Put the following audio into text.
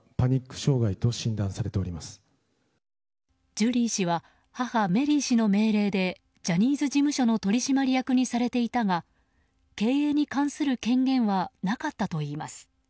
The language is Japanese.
ジュリー氏は母メリー氏の命令でジャニーズ事務所の取締役にされていたが経営に関する権限はなかったといいます。